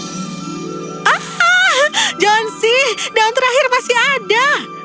hahaha johnsy daun terakhir masih ada